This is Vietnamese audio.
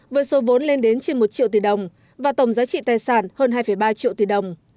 với số vốn lên đến trên một triệu tỷ đồng và tổng giá trị tài sản hơn hai ba triệu tỷ đồng